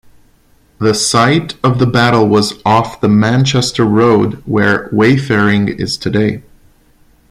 The site of the battle was off the Manchester Road where Wayfaring is today.